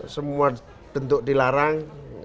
semua bentuk dilarang